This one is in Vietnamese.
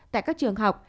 tại các trường học